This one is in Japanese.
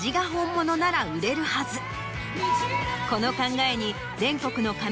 この考えに。